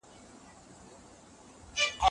خپل هېواد بايد د ځان په څېر وساتو.